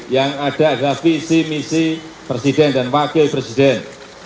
yang ada adalah visi misi presiden dan wakil presiden